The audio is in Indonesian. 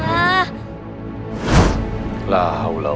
kau tidak wished